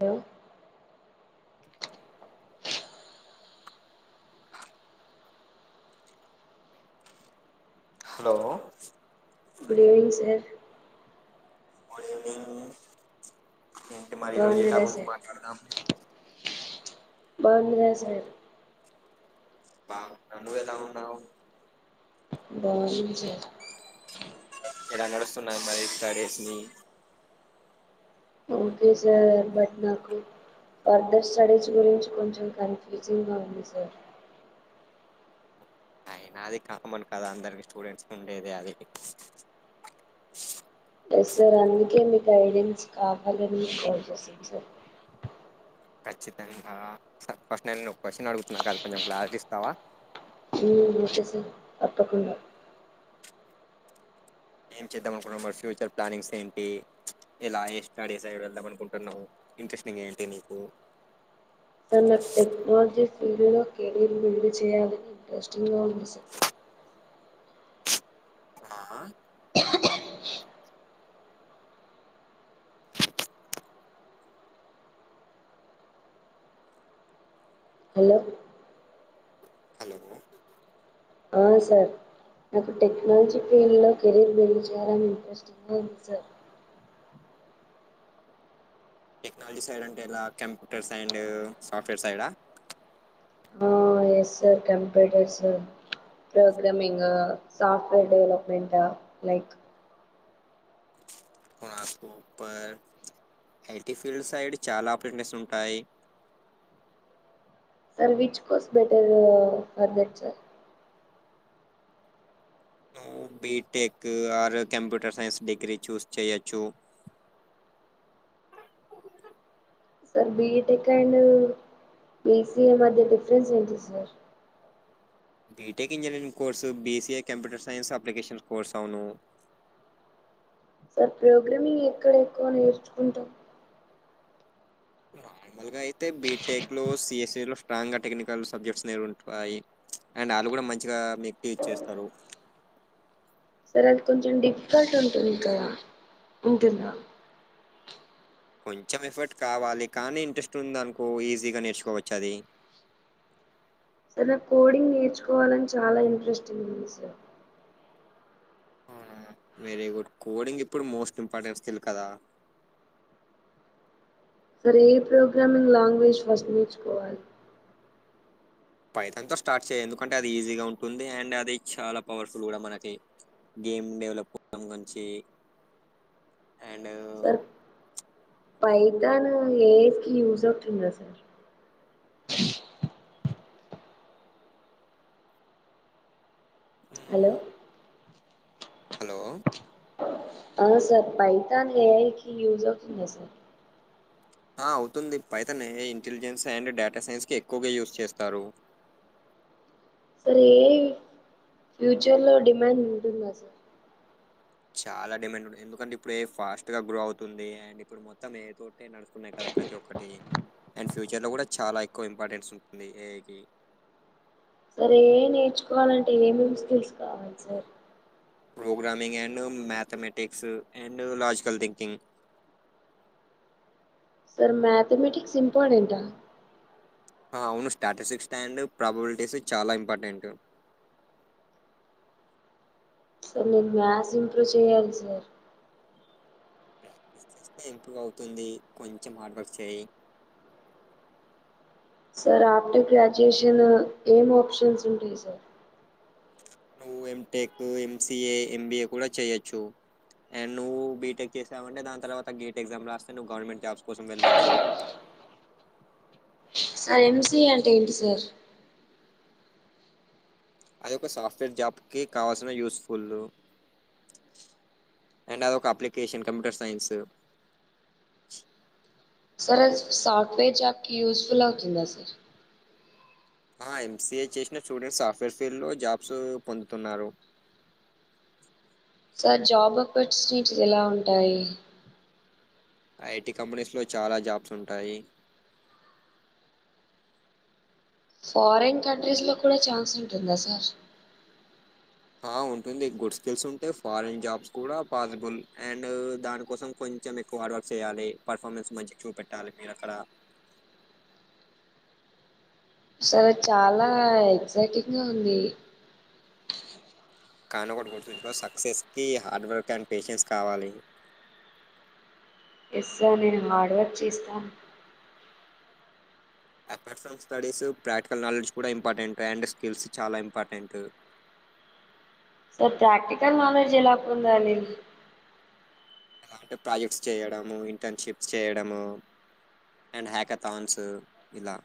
Hello hello good evening sir good evening ఏంటి మరి బాగున్నారా ఈరోజుఎటాపిక్ గురించి సార్ మాట్లాదాం బాగుంది గద సార్ బాగున్న నువ్వు ఎలా వున్నావు బాగున్నా సార్ ఎలా నడుస్తున్నాయి మరి స్టడిస్. ని ఓకే సార్ బట్ నాకు ఫర్ ర్ధార్. స్టడీస్ గురించి కొంచెం కన్ఫ్యూజింగ్గా ఉంది సార్ అయినా అది కామన్ కదా అందరికి స్టూడెంట్స్ ఉండేదెఅది ఎస్ సార్ అందుకే మీ గైడెన్స్ కావాలని కాల్. చేసాను సార్ ఖచ్చితంగా ఇస్తఫస్ట్ 'నేను క్వ షన్ అడుగుతున్నా కాదు కొంచెం క్లారిటి ఇస్తావా ఉమ్ ఒకే సార్. తప్పకుండ ఏం చేద్దాం అనుకుంటన్నాం మరి ఫ్యూచర్ ప్లానింగ్స్ ఏంటి ఎలా స్టడీస్. సైడ్. వెళ్ళాదాం అనుకుంటున్నావ్ ఇంట్రెస్టింగ్ ఏంటి నీకు సర్ నాకు టెక్నోలజీ ఫీల్డొకేరు వీల్డ్ చేయ్యాల్ని ఇంటంట్రెస్టింగ్ సర్ ఆఆ హి చ్ [unintelligible] హలో హలో ఆ సార్ నాకు టెక్నాలజీ ఫీల్డ్ లో కెరీర్ బిల్. చేయాలని ఇంట్రెస్ట్ గా ఉంది సార్ టెక్నాలజీ సైడ్ అంటే ఎలా computers. And software side ఆఎస్ sir computers programming software డెవలప్మెంటా like super IT field side చాలా ఆపరేటనస్ ఉంటాయి sir which course. Better for that sir ఆ. BTech or computer science degree choose చేయొచ్చు సార్ బిటెక్ అండ్ బిసీఏ మధ్య difference ఏంటింది sir BTech engineering course BCA computer science applications course అవును sir programming ఎక్కడ ఎక్కువ నేర్చుకుంటాం మామూలుగాఐతే అయితే బీటెక్ లో సిఎస్ఈ లో స్ట్రాంగ్ టెక్నికల్ సబ్జెక్ట్స్ అనేవి ఉంటాయి అండ్ వాళ్ళు కూడా మంచిగా మీకు టీచ్ ఇచ్చేస్తారు సరే అది కొంచెం డిఫికల్ట్ ఉంటుంది కదా ఉంటుందా కొంచెం ఎఫర్ట్ కావాలి కానీ ఇంట్రెస్ట్ ఉంది అనుకో ఈజీగా నేర్చుకోవచ్చు అది సార్ నాకు కోడింగ్ నేర్చుకోవాలని చాలా ఇంట్రెస్టింగ్ ఉంది సార్ ఆహా వెరీ గుడ్ కోడింగ్ ఇప్పుడు మోస్ట్ ఇంపార్టెంట్ స్టిల్ కదా సరే ఏ ప్రోగ్రామింగ్ లాంగ్వేజ్ ఫస్ట్ నేర్చుకోవాలి పైతాన్ స్టార్ట్ చెయిఎందుకంటే అది ఈజీగా ఉంటుంది అండ్ అది చాలా పవర్ ఫుల్ కూడా మనకి గేమ్ డెవలప్ సంబంధించి అండ్ సర్ పైతను ఏజ్ కి యూజ్ అవుతుందా సార్ హలో హలో ఆ సార్ పైతాన్ ఏ ఐకి యూజ్. అవుతుందసార్ ఆ అవుతుంది పైతనే ఇంటెలిజెన్స్ అండ్ డేటా సైన్స్ కి ఎక్కువగా యూజ్ చేస్తారు సార్ ఏ ఐ ఫ్యూచర్ లో డిమాండ్ ఉంటుందా సార్ చాలా డిమాండ్ ఉంది ఎందుకంటే ఇప్పుడు ఏ ఫాస్ట్ గా గ్రో అవుతుంది ఆండ్ ఇప్పుడు మొత్తం ఏ తోటి అన్ని నడుస్తున్నాయి కదా ప్రతి ఒక్కటి ఆండ్ ఫ్యూచర్ లో కూడా చాలా ఎక్కువ ఇంపార్టెన్స్ ఉంటుంది ఏ ఐకి సరే ఏఐ నేర్చుకోవాలంటే ఏమేమి స్కిల్స్ కావాలి sir programming and mathematics and logical thinking sir mathematics important ఆ ఆ అవును స్టాటసిక్ స్టాండ్ ప్రాబొలిటీస్ చాలా ఇంపార్టెంట్ సార్ నేను మ్యాస్ ఇంప్రూవ్ చేయాలి సార్ ప్రాక్టీస్ చేస్తే ఇంప్రూవ్ అవుతుంది కొంచెం హార్డ్ వర్క్ చేయి సార్ ఆప్ట్ గ్రాడ్యుయేషన్ ఏం ఆప్షన్స్ ఉంటాయి సార్ నువ్వ ఎంటేక్ ఎంసిఏ ఎంబీఏ కూడా చేయొచ్చు ఆండ్ నువ్వు బిటెక్ చేసావంటే దాని తర్వాత గేట్ ఎగ్జామ్ రాస్తే నువ్వు గవర్నమెంట్ జాబ్స్ కోసం వెళ్లొచ్చు ఆ ఏం సిఏ అంటే ఏంటి సార్ అది ఒక సాఫ్ట్వేర్ జాబ్ కి కావాల్సిన యూస్ ఫుల్ అండ్ అది ఒక అప్లికేషన్ కంప్యూటర్ సైన్స్ సర్ అది సాఫ్ట్ వేర్ జాబ్ కీ యూస్ ఫుల్ అవుతుందా సార్ ఆ ఎంసిఏ చేసిన స్టూడెంట్స్ సాఫ్ట్ వేర్ ఫీల్డ్ లో జాబ్స్ పొందుతున్నారు సార్ జాబ్ ఆపర్చూవిటీస్ ఎలా ఉంటాయి ఐటి కంపెనీస్ లో చాలా జాబ్స్ ఉంటాయి ఫారెన్ కంట్రీస్ లో కూడా ఛాన్స్ ఉంటుందా సార్ ఆ ఉంటుంది గుడ్ స్కిల్స్ ఉంటె ఫారెన్ జాబ్స్ కూడా పాసిబుల్ ఆండ్ దాని కోసం కొంచెం ఎక్కువ హార్డ్ వర్క్స్ చేయాలి పర్ఫార్మెన్స్ మంచి చూపెట్టాలి మీరు అక్కడ సరె చాలా ఎక్సైటింగ్ గా ఉంది కాను కోటు గుర్తుంచుకో సక్సెస్ కి హార్డ్ వర్క్ఆండ్ పేషెన్స్ కావాలి ఎస్ సార్ నేను హార్డ్వర్క్ చేస్తా నా పర్సనల్ స్టడీస్ ప్రాక్టికల్ నాలెడ్జ్ కూడా ఇంపార్టెంట్ ఆండ్ స్కిల్స్ చాలా ఇంపార్టెంట్ సర్ ప్రాక్టికల్ నాలెడ్జ్ ఎలా పొందాలి అంటే ప్రాజెక్ట్స్ చేయడము ఇంటన్షిప్ చేయడము ఆండ్ హ్యాకథాన్స్ ఇలా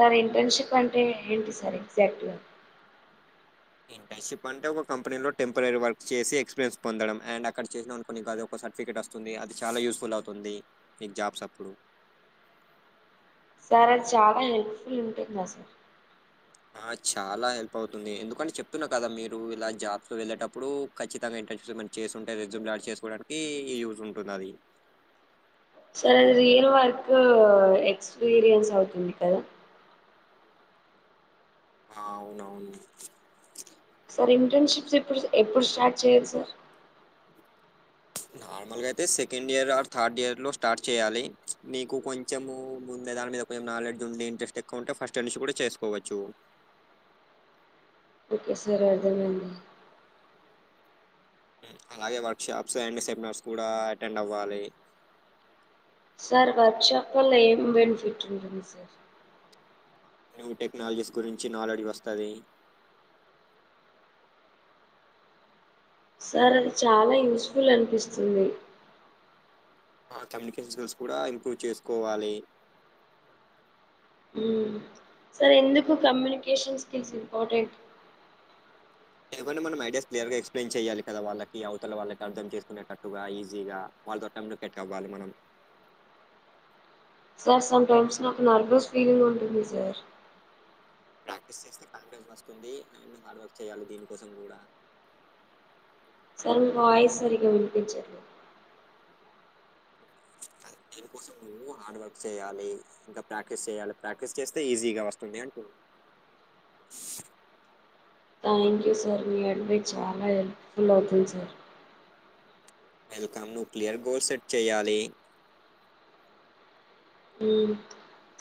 సార్ ఇంటన్షిప్ అంటే ఏంటి సార్ ఎగ్జాక్టుగా ఇంటర్న్షిప్ అంటే ఒక కంపెనీలో టెంపరరీ వర్క్ చేసి ఎక్స్పీరియన్స్ పొందడం ఆండ్ అక్కడ చేసిన అనుకోని అది ఒక సర్టిఫికెట్ వస్తుంది అది చాలా యూస్ఫుల్ అవుతుంది మీకు జాబ్స్ అప్పుడు సార్ అది చాలా హెల్ప్ ఫుల్ ఉంటుంది దా సార్ ఆ చాలా హెల్ప్ అవుతుంది ఎందుకంటే చెప్తున్న కదా మీరు ఇలా జాబ్స్ లో వెళ్ళేటప్పుడు ఖచ్చితంగా ఇంటర్న్షప్ చేసుంటే రిజబ్నాడ్ చేసుకోవడానికీ యూస్ ఉంటుంది అది సార్ అది రియల్ వర్క్ ఎక్స్పీరియన్స్ అవుతుంది కదా ఆ అవునవును సార్ ఇంటర్న్షిప్స్ ఎప్పుడు ఎప్పుడు స్టార్ట్ చేయాలి సార్ నార్మల్గ అయితే second year or third year లో స్టార్ట్ చేయాలి నీకు కొంచెము ముందే దాని మీద కొంచెం నాలెడ్జ్ ఉండే ఇంట్రెస్ట్ ఎక్కువ ఉంటే ఫస్ట్ ఇర్ నుంచి కూడా చేసుకోవచ్చు ఓకే సార్ అర్థం అయింది అలాగే వర్కుషాప్స్ ఆండ్ సెమినార్స్ కూడా అటెండ్ అవ్వాలి సార్ వర్క్ షాప్ ల లో ఏం బెన్ఫిటుంటది సార్ న్యూ టెక్నాలజీస్ గురించి నాలేడ్జ్ వస్తది సార్ అది చాలా యూస్ఫుల్ అనిపిస్తుంది ఆ కమ్యూనికేషన్ స్కిల్స్ కూడా ఇంప్రూవ్ చేసుకోవాలి ఊ సార్ ఎందుకు కమ్యూనికేషన్ స్కిల్స్ ఇంపార్టెంట్ ఎందుకంటే మనం ఐడియాస్ క్లియర్ గా ఎక్ప్లెయిన్ చెయాలి కదా వాళ్ళకి అవతల వాళ్ళకి అర్ధం చేసుకునేటట్టుగా ఈజీగా వాళ్ళతో కమ్యూనికెట్ అవ్వాలి మనం సర్ సం టైమ్స్ నాకు నర్వస్ ఫీలింగ్ ఉంటుంది సార్ ప్రాక్టీస్ చేస్తే కాన్ఫిడెన్స్ వస్తుంది అండ్ హార్డ్ వర్క్ చేయాలి దీనికోసం కూడా సార్ మీ వాయిస్ సరిగా వినిపించట్లే దేనికోసం నువ హార్డ్ వర్క్ చేయాలి ఇంకా ప్రాక్టీస్ చేయాలి ప్రాక్టీస్ చేస్తే ఈజీగా వస్తుంది అంటే థ్యాంక్ యూ సర్ మీ అంట చాలా హెల్ప్ఫుల్ అవుతుంది sir welcome nuclear goal set చెయ్యాలి ఊ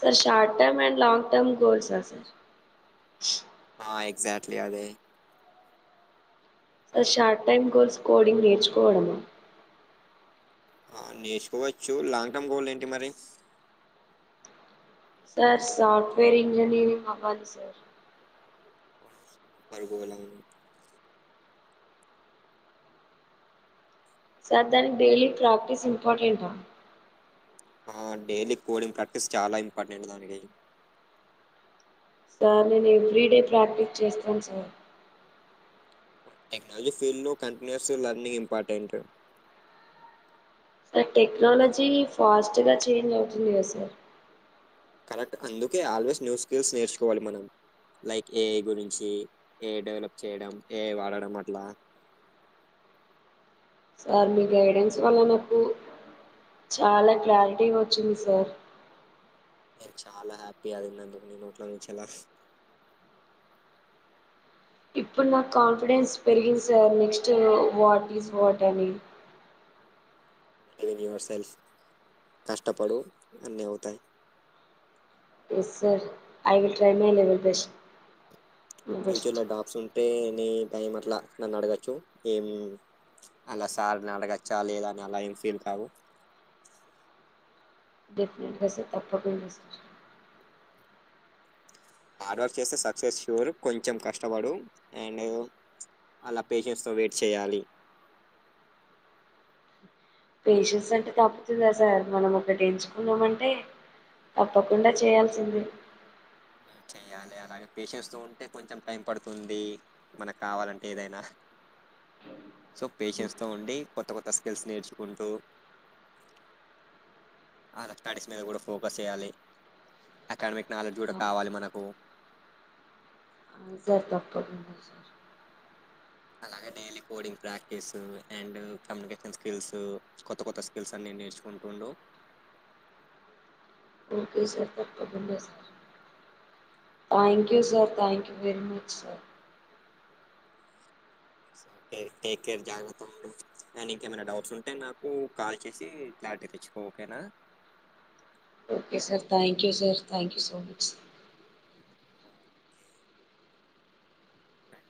sir short term and long term గోల్సా సార్ ఆ ఎగ్జాక్ట్లీ అదే sir short time goals coding నేర్చుకోవడమా ఆ నేర్చుకోవచ్చు లాంగ్ టర్మ్ గోల్ ఏంటి మరి సార్ సాఫ్ట్వేర్ ఇంజనీరింగ్ అవ్వాలి సార్ స్తు పర్గువాలాం సర్ దానికి డైలీ ప్రాక్టీస్ ఇంపార్టెంటా ఆ డేలీ కోడింగ్ ప్రాక్టీస్ చాలా ఇంపార్టెంట్ దానికి సార్ నేను ఎవ్రీ డే ప్రాక్టీస్ చేస్తను సార్ టెక్నాలజీ ఫీల్డ్ లో continuous learning important sir technology fast గా చేంజ్ అవుతుంది కదా సర్ కరెక్ట్ అందుకే ఆల్వేస్ న్యూ స్కిల్స్ నేర్చుకొవలి మనం లైక్ ఏఐ గురించి ఏ డెవలప్ చేయడం ఏఐ వాడడం అట్లా సార్ మీ గైడెన్స్ వల్ల నాకు చాలా క్లారిటీ ఓచ్చింది సార్ నేను చాలా హ్యాపీ అదిన్నుదుకు నీ నోట్ల నుంచి ఎలా ఫ్ ఇప్పుడు నకు కాన్ఫిడెన్స్ పెరిగింది sir next what is what అని ఎన్ యువర్ సెల్ఫ్ కష్టపడు అన్ని అవుతాయి yes sir I will try my level best my best ఫ్యూచర్లో డాప్పున్ ఎ ఎని టైం అట్లా నన్ను అడగచ్చు ఏం అలా సార్ని అడగచ్చా లేదా అని అలా ఏం ఫీల్ కావు డే ఫ్నేటిగా సర్ తప్పకుండా హార్డ్ వర్క్ చేస్తే సక్సెస్ సూర్ కొంచెం కష్టపడు ఊ నువ్వు అలా పేషెన్స్ తో వెయిట్ చేయాలి పేషన్స్ అంటే తప్పుతుందా సార్ మనం ఒకటి ఎంచుకున్నమంటే తప్పకుండ చేయాల్సింది ఊ చెయాలి అలాగే పేషెన్స్ తో ఉంటే కొంచెం టైం పడుతుందీ మనకు కావాలంటే ఏదైనా సో పేషెన్స్ తో ఉండి కొత్త కొత్త స్కిల్స్ నేర్చుకుంటూ ఆళ స్టడీస్ మీద కూడా ఫోకస్ చేయాలి అకాడమిక్ నాలెడ్జ్ కూడ కావాలి మనకు సార్ తప్ప అలగే daily coding practice and communication skills కొత్త కొత్త స్కిల్స్ అన్ని నేర్చుకుంటుండు ఓకే సార్ తప్పకుండా sir thank you sir thank very much sir so care taker జాగ్రత్తగా ఉండు ఏ ఇంకే మన్నా డౌట్స్ ఉంటే నాకు కాల్ చేసి క్లారిటీ తెచ్చుకో ఓకేనా okay sir thank you sir thank you so much uh